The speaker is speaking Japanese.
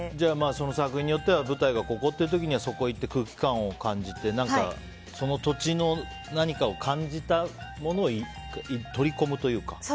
作品によっては舞台がここっていう時はそこへ行って空気感を感じてその土地の何かを感じたものを取り込むというか。